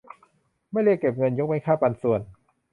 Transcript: ไม่เรียกเก็บเงิน ยกเว้นค่าปันส่วน